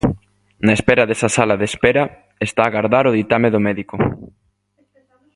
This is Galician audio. Na espera desa sala de espera está a agardar o ditame do médico.